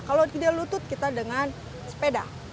kalau tidak lutut kita dengan sepeda